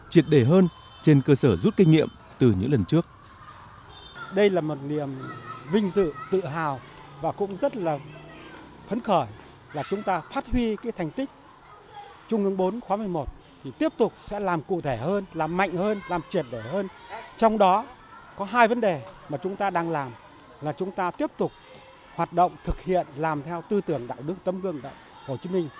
triệt đề hơn trên cơ sở rút kinh nghiệm từ những lần trước